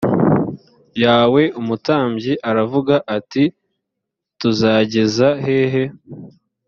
yawe umutambyi aravuga ati tuzageza hehe